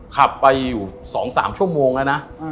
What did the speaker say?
ขับไปอยู่๒๓ชั่วโมงแล้วนะ